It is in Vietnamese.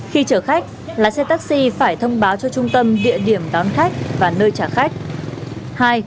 khi chở khách lái xe taxi phải thông báo cho trung tâm địa điểm đón khách và nơi trả khách